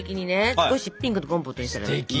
少しピンクのコンポートにしたらいいなって。